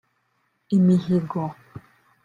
imihigo